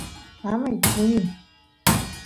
mamay puñun